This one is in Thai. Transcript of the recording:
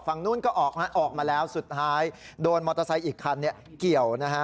ฝั่งนู้นก็ออกมาแล้วสุดท้ายโดนมอเตอร์ไซค์อีกคันเกี่ยวนะฮะ